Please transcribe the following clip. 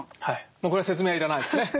もうこれは説明は要らないですね。